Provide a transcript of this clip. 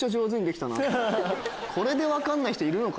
これで分かんない人いるのか？